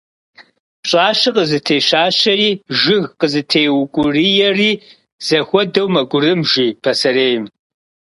Пщӏащэ къызытещащэри, жыг къызытеукӏуриери зэхуэдэу мэгурым, жи пасэрейм.